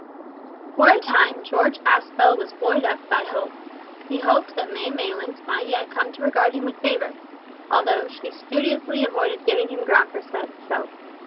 For a time George Aspel was buoyed up by hope. He hoped that May Maylands might yet come to regard him with favour, though she studiously avoided giving him ground for such hope.